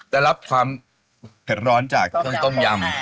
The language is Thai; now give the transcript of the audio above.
แต่รับความเผ็ดร้อนจากต้มยำ